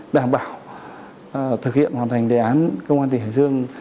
đảm bảo thực hiện hoàn thành đề án công an tỉnh hải dương